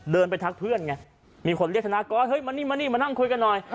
เดินไปทักเพื่อนไงมีคนเรียกธนากรเฮ้ยมานี่มานี่มานั่งคุยกันหน่อย